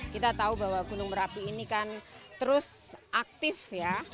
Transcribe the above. kita tahu bahwa gunung merapi ini kan terus aktif ya